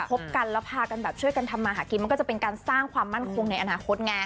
บกันแล้วพากันแบบช่วยกันทำมาหากินมันก็จะเป็นการสร้างความมั่นคงในอนาคตไง